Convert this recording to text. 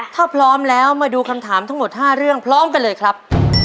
ถ้าพร้อมแล้วมาดูคำถามทั้งหมด๕เรื่องพร้อมกันเลยครับ